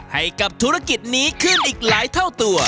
ให้กับธุรกิจนี้ขึ้นอีกหลายเท่าตัว